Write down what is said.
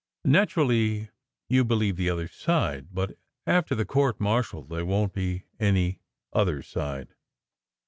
Naturally you believe the other side. But after the court martial there won t be any other side.